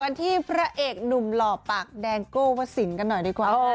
กันที่พระเอกหนุ่มหล่อปากแดงโก้วสินกันหน่อยดีกว่า